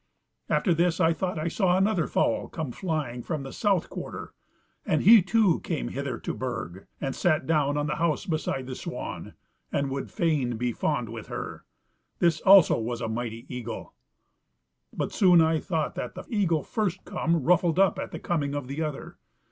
"After this I thought I saw another fowl come flying from the south quarter, and he, too, came hither to Burg, and sat down on the house beside the swan, and would fain be fond with her. This also was a mighty eagle. "But soon I thought that the eagle first come ruffled up at the coming of the other.